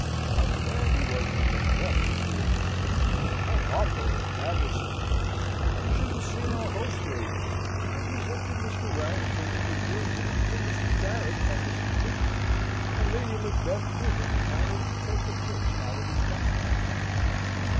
"How grand he was in Macbeth, Mr. Warrington! How awful that dagger scene was! You should have seen our host, ladies! I presented Mr. Warrington, in the greenroom, to Mr. Garrick and Mrs. Pritchard, and Lady Macbeth did him the honour to take a pinch out of his box."